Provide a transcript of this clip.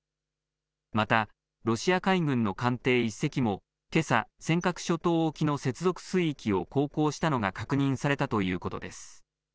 また、ロシア海軍の艦艇１隻も、けさ、尖閣諸島沖の接続水域を航行したのが確認されたということです。